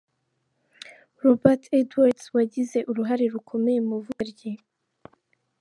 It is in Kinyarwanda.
Robert Edwards wagize uruhare rukomeye mu ivuka rye.